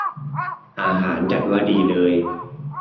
อาหารจัดว่าดีเลย